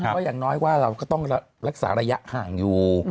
เพราะอย่างน้อยว่าเราก็ต้องรักษาระยะห่างอยู่